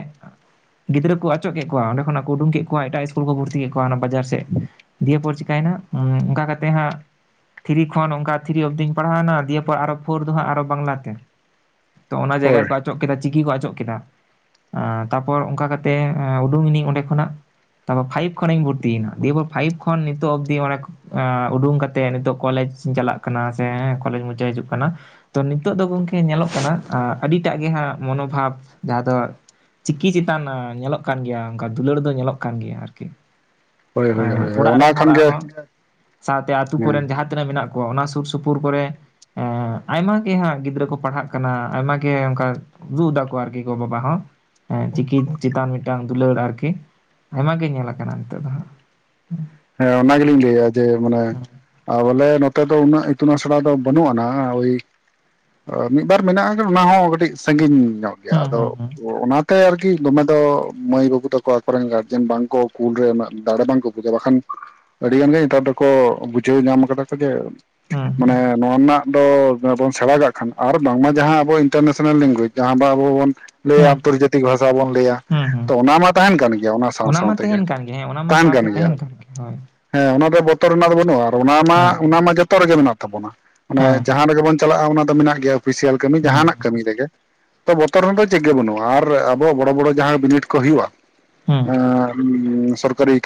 ᱜᱤᱫᱽᱨᱟᱹ ᱠᱚ ᱚᱪᱚᱜ ᱠᱮᱜ ᱠᱚᱣᱟ ᱚᱸᱰᱮ ᱠᱷᱚᱱᱟᱜ ᱠᱚ ᱩᱰᱩᱝ ᱠᱮᱜ ᱠᱚᱣᱟ ᱮᱴᱟᱜ ᱥᱠᱩᱞ ᱠᱚ ᱵᱷᱚᱨᱛᱤ ᱠᱮᱜ ᱠᱚᱣᱟ ᱚᱱᱟ ᱵᱟᱡᱟᱨ ᱥᱮᱜ ᱾ ᱫᱤᱭᱮ ᱯᱚᱨ ᱪᱤᱠᱟᱹᱭᱮᱱᱟ ᱚᱱᱠᱟ ᱠᱟᱛᱮᱜ ᱦᱟᱸᱜ ᱛᱷᱨᱤ ᱠᱷᱚᱱ ᱚᱱᱠᱟ ᱛᱷᱨᱤ ᱚᱯᱷ ᱫᱩᱧ ᱯᱟᱲᱦᱟᱣᱱᱟ ᱫᱤᱭᱮᱯᱚᱨ ᱟᱨᱚ ᱯᱷᱳᱨ ᱫᱚ ᱦᱟᱸᱜ ᱟᱨᱚ ᱵᱟᱝᱞᱟ ᱛᱮ᱾ ᱛᱚ ᱚᱱᱟ ᱡᱟᱭᱜᱟ ᱦᱳᱭ ᱨᱮᱠᱚ ᱚᱪᱚᱜ ᱠᱮᱫᱟ ᱪᱤᱠᱤ ᱠᱚ ᱚᱪᱚᱜ ᱠᱮᱫᱟ- ᱛᱟᱨᱯᱚᱨ ᱚᱱᱠᱟ ᱠᱟᱛᱮᱜ ᱩᱰᱩᱠᱱᱤᱧ ᱚᱸᱰᱮ ᱠᱷᱚᱱᱟᱜ᱾ ᱛᱟᱯᱚᱨ ᱯᱷᱟᱭᱤᱵᱷ ᱠᱷᱚᱱᱤᱧ ᱵᱷᱚᱨᱛᱤᱭ ᱱᱟ ᱫᱤᱭᱯᱚᱨ ᱯᱷᱟᱭᱤᱵᱷ ᱠᱷᱚᱱ ᱱᱤᱛᱚᱜ ᱚᱵᱫᱤ ᱚᱵ᱾ (unintelligible) ᱮ ᱩᱰᱩᱝ ᱠᱟᱛᱮᱜ ᱱᱤᱛᱚᱜ ᱠᱚᱞᱮᱡ ᱤᱧ ᱪᱟᱞᱟᱜ ᱠᱟᱱᱟ ᱥᱮ ᱠᱚᱞᱮᱡ ᱢᱩᱪᱟᱹᱫ ᱦᱤᱡᱩᱜ ᱠᱟᱱᱟ᱾ ᱛᱚ ᱱᱤᱛᱚᱜ ᱫᱚ ᱜᱚᱝᱠᱮ ᱧᱮᱞᱚᱜ ᱠᱟᱱᱟ ᱟ ᱟᱹᱰᱤᱴᱟᱜ ᱜᱮ ᱦᱟᱸᱜ ᱢᱚᱱᱳᱵᱷᱟᱵ ᱡᱟᱦᱟᱸ ᱫᱚ ᱪᱤᱠᱤ ᱪᱮᱛᱟᱱ ᱧᱮᱞᱚᱜ ᱠᱟᱱ ᱜᱮᱭᱟ ᱚᱝᱠᱟ ᱫᱩᱞᱟᱹᱲ ᱫᱚ ᱧᱮᱞᱚᱜ ᱠᱟᱱ ᱜᱮᱭᱟ ᱟᱨᱠᱤ᱾ ᱦᱳᱭ ᱦᱳᱭ ᱦᱳᱭ ᱚᱲᱟᱜ ᱚᱱᱟ ᱨᱮᱱ ᱠᱷᱟᱱ ᱦᱚᱲᱟᱜ ᱜᱮ ᱦᱚᱸ ᱥᱟᱶᱛᱮ ᱟᱛᱳ ᱦᱮᱸ ᱠᱚᱨᱮᱱ ᱡᱟᱦᱟᱸ- ᱛᱤᱱᱟᱹᱜ ᱢᱮᱱᱟᱜ ᱠᱚᱣᱟ ᱚᱱᱟ ᱥᱩᱨ ᱥᱩᱯᱩᱨ ᱠᱚᱨᱮ ᱦᱮᱸ ᱟᱭᱢᱟ ᱜᱮ ᱦᱟᱸᱜ ᱜᱤᱫᱽᱨᱟᱹ ᱠᱚ ᱯᱟᱲᱦᱟᱜ ᱠᱟᱱᱟ᱾ ᱟᱭᱢᱟ ᱜᱮ ᱚᱱᱠᱟ ᱡᱩᱫᱟᱠᱚ ᱟᱨᱠᱤ ᱜᱚᱼᱵᱟᱵᱟ ᱦᱚᱸ ᱪᱤᱠᱤ ᱪᱮᱛᱟᱱ ᱢᱤᱫᱴᱟᱝ ᱫᱩᱞᱟᱹᱲ ᱟᱨᱠᱤ- ᱟᱭᱢᱟ ᱜᱮ ᱧᱮᱞ ᱟᱠᱟᱱᱟ ᱱᱤᱛᱚᱜ ᱫᱚ ᱦᱟᱸᱜ᱾ ᱦᱮᱸ ᱚᱱᱟ ᱜᱮᱞᱤᱧ ᱞᱟᱹᱭᱟ ᱡᱮ ᱢᱟᱱᱮ ᱟᱨ ᱵᱚᱞᱮ ᱱᱚᱛᱮ ᱫᱚ ᱩᱱᱟᱹᱜ ᱤᱛᱩᱱ ᱟᱥᱲᱟ ᱫᱚ ᱵᱟᱹᱱᱩᱜ ᱟᱱᱟ ᱳᱭ ᱢᱤᱫ ᱵᱟᱨ ᱢᱮᱱᱟᱜᱼᱟ᱾ ᱟᱫᱚ ᱚᱱᱟ ᱦᱚᱸ ᱠᱟᱹᱴᱤᱡ ᱥᱟᱺᱜᱤᱧ ᱧᱚᱜ ᱜᱮᱭᱟ ᱦᱩᱸ ᱟᱫᱚ, ᱦᱩᱸ ᱦᱩᱸ ᱚᱱᱟᱛᱮ ᱟᱨᱠᱤ ᱫᱚᱢᱮ ᱫᱚ ᱢᱟᱹᱭ ᱵᱟᱹᱵᱩ ᱛᱟᱠᱚ ᱟᱠᱚᱨᱮᱱ ᱜᱟᱨᱡᱮᱱ ᱵᱟᱝᱠᱚ ᱠᱩᱞ ᱨᱮ ᱩᱱᱟᱹᱜ ᱫᱟᱲᱮ ᱵᱟᱝ ᱠᱚ ᱯᱩᱡᱟᱹ ᱵᱟᱠᱷᱟᱱ, ᱟᱹᱰᱤᱜᱟᱱ ᱜᱮ ᱱᱮᱛᱟᱨ ᱫᱚᱠᱚ ᱵᱩᱡᱷᱟᱹᱣ ᱧᱟᱢ ᱠᱟᱫᱟ ᱠᱚ ᱡᱮ ᱦᱩᱸ ᱦᱩᱸ ᱢᱟᱱᱮ ᱱᱚᱣᱟ ᱨᱮᱱᱟᱜ ᱫᱚᱵᱚᱱ ᱥᱮᱬᱟ ᱠᱟᱜ ᱠᱷᱟᱱ ᱟᱨ ᱵᱟᱝᱢᱟ ᱡᱟᱦᱟᱸ ᱟᱵᱚ ᱤᱱᱴᱟᱨᱱᱮᱥᱱᱮᱞ ᱞᱮᱝᱜᱣᱮᱡᱽ ᱡᱟᱦᱟᱸ ᱵᱟ ᱟᱵᱚ ᱵᱚᱱ ᱦᱩᱸ ᱞᱟᱹᱭᱟᱢ ᱟᱱᱛᱚᱨᱡᱟᱛᱤᱠ ᱵᱷᱟᱥᱟ ᱵᱚᱱ ᱞᱟᱹᱭᱟ ᱦᱩᱸ ᱾ ᱦᱩᱸ ᱛᱚ ᱚᱱᱟ ᱢᱟ ᱛᱟᱦᱮᱸᱱ ᱠᱟᱱ ᱜᱮᱭᱟ ᱚᱱᱟ ᱥᱟᱶ ᱥᱟᱶ ᱢᱟ ᱛᱮᱜᱮ, ᱛᱟᱦᱮᱱ ᱠᱟᱱ ᱜᱮ ᱦᱮᱸ ᱚᱱᱟ ᱢᱟ ᱛᱟᱦᱮᱸᱱ ᱠᱟᱱ ᱥᱟᱶᱛᱮ ᱜᱮᱭᱟ ᱛᱟᱦᱮᱱ ᱜᱮ ᱦᱳᱭ ᱾ ᱦᱮᱸ ᱚᱱᱟ ᱫᱚ ᱵᱚᱛᱚᱨ ᱨᱮᱱᱟᱜ ᱫᱚ ᱵᱟᱹᱱᱩᱜᱼᱟ, ᱟᱨ ᱚᱱᱟ ᱦᱮᱸ ᱢᱟ ᱚᱱᱟ ᱢᱟ ᱡᱚᱛᱚ ᱨᱮᱜᱮ ᱢᱮᱱᱟᱜ ᱛᱟᱵᱚᱱᱟ ᱦᱮᱸ ᱢᱟᱱᱮ ᱡᱟᱦᱟᱸ ᱨᱮᱜᱮ ᱵᱚᱱ ᱪᱟᱞᱟᱜᱼᱟ ᱚᱱᱟ ᱫᱚ ᱢᱮᱱᱟᱜ ᱜᱮᱭᱟ ᱚᱯᱷᱤᱥᱤᱭᱟᱞ ᱠᱟᱹᱢᱤ ᱦᱩᱸ ᱡᱟᱦᱟᱱᱟᱜ ᱠᱟᱹᱢᱤ ᱨᱮᱜᱮ᱾ ᱛᱚ ᱵᱚᱛᱚᱨ ᱦᱚᱸ ᱫᱚ ᱪᱮᱜ ᱜᱮ ᱵᱟᱹᱱᱩᱜᱼᱟ᱾ ᱟᱨ ᱟᱵᱚ ᱵᱚᱲᱚ ᱵᱚᱲᱚ ᱡᱟᱦᱟᱸ ᱵᱤᱱᱤᱰ ᱠᱚ ᱦᱩᱭᱩᱜᱼᱟ᱾ ᱦᱩᱸ ᱮᱸᱻ ᱥᱚᱨᱠᱟᱨᱤ